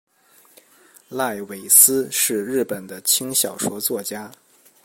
濑尾司是日本的轻小说作家。